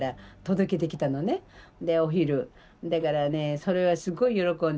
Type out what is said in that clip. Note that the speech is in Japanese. だからねそれはすごい喜んでね。